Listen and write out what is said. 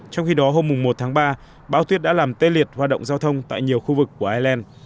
trong khi đó hôm một tháng ba bão tuyết đã làm tê liệt hoạt động giao thông tại nhiều khu vực của ireland